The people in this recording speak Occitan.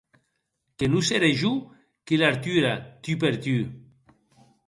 Que non serè jo qui l’artura tu per tu.